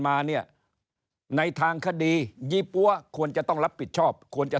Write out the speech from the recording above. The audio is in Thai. มาเนี่ยในทางคดียี่ปั๊วควรจะต้องรับผิดชอบควรจะ